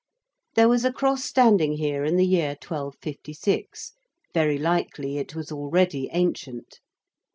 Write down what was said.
There was a cross standing here in the year 1256 very likely it was already ancient.